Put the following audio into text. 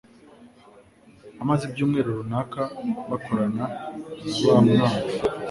abamaze ibyumweru runaka bakorana na bamwana